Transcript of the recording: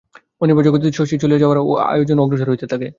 অনিবার্য গতিতে শশীর চলিয়া যাওয়ার আয়োজন অগ্রসর হইতে থাকে।